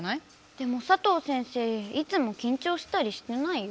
でもサトウ先生いつも緊張したりしてないよ。